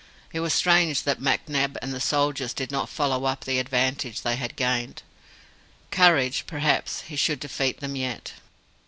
It was strange that McNab and the soldier did not follow up the advantage they had gained. Courage perhaps he should defeat them yet!